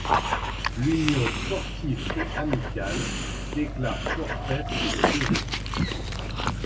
L'Union sportive et amicale déclare forfait pour ses deux équipes.